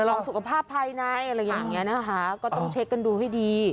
ของสุขภาพภายในอะไรอย่างนี้นะคะก็ต้องเช็คกันดูให้ดี